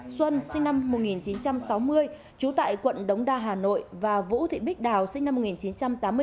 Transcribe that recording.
xuân sinh năm một nghìn chín trăm sáu mươi trú tại quận đống đa hà nội và vũ thị bích đào sinh năm một nghìn chín trăm tám mươi bốn